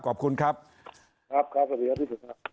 ครับครับสวัสดีครับพี่พี่สุดครับ